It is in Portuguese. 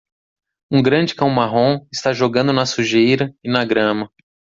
Um grande cão marrom está jogando na sujeira e na grama.